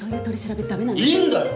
いいんだよ！